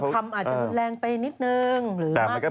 บางคำอาจจะแรงไปนิดนึงหรือมากหน่อย